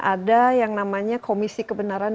ada yang namanya komisi kebenaran